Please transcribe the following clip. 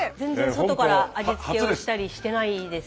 外から味付けをしたりしてないです。